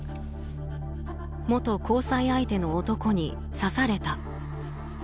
元交際相手の男に刺された。